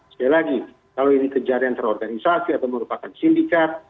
sekali lagi kalau ini kejadian terorganisasi atau merupakan sindikat